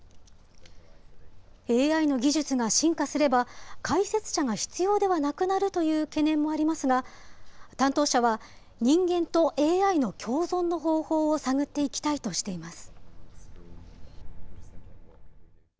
ＡＩの技術が進化すれば、解説者が必要ではなくなるという懸念もありますが、担当者は、人間とＡＩの共存の方法を探っていきたいとしています。